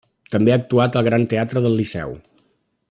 També ha actuat al Gran Teatre del Liceu.